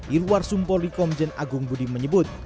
ilwar sumpol rikomjen agung budi menyebut